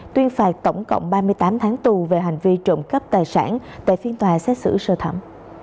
tuyên phạt tổng cộng ba mươi tám tháng tù về hành vi trộm cắp tài sản tại phiên tòa xét xử sơ thẩm